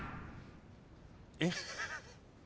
えっ？